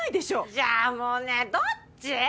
じゃあもうねえどっち？